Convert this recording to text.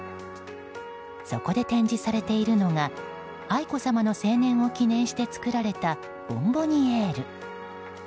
そこで展示されているのが愛子さまの成年を記念して作られたボンボニエール。